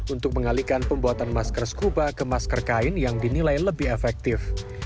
untuk mengalihkan pembuatan masker scuba ke masker kain yang dinilai lebih efektif